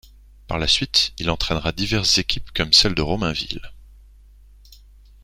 Par la suite, il entraînera diverses équipes comme celle de Romainville.